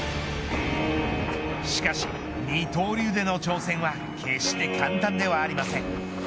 しかし二刀流での挑戦は決して簡単ではありません。